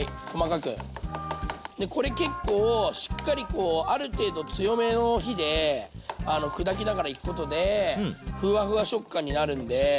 でこれ結構しっかりこうある程度強めの火で砕きながらいくことでふわふわ食感になるんで。